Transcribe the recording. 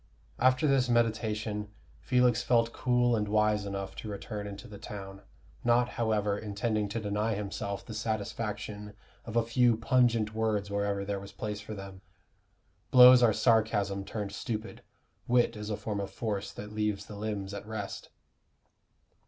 After this meditation, Felix felt cool and wise enough to return into the town, not, however, intending to deny himself the satisfaction of a few pungent words wherever there was place for them. Blows are sarcasms turned stupid: wit is a form of force that leaves the limbs at rest.